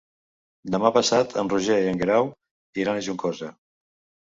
Demà passat en Roger i en Guerau iran a Juncosa.